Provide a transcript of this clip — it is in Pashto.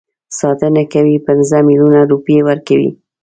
ساتنه کوي پنځه میلیونه روپۍ ورکوي.